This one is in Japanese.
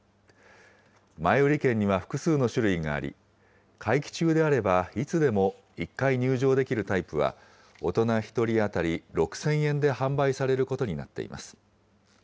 前売券には複数の種類があり、会期中であればいつでも１回入場できるタイプは大人１人当たり６０００円で販売されることになっています。